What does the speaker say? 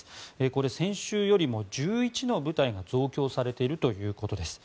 これ、先週よりも１１の部隊が増強されているということです。